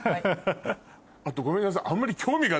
あとごめんなさい。